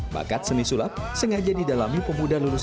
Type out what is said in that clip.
bakat seni sulap sengaja didalami pemusuhan lintas